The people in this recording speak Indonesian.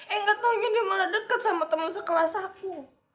eh gak tau juga dia malah deket sama temen sekelas aku